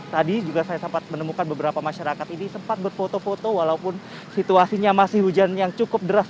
tadi juga saya sempat menemukan beberapa masyarakat ini sempat berfoto foto walaupun situasinya masih hujan yang cukup deras